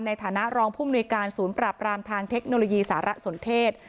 ในฐานะรองผู้มนุยการศูนย์ปรับรามทางเทคโนโลยีสารสนเทศ